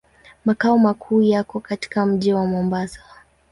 Makao makuu yako katika mji wa Mombasa.